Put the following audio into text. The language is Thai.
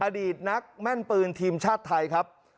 อดีตนักแม่นปืนทีมชาติไทยครับ